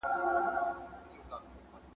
اقبال خان ویلي وو چي دا قبر داسي دئ.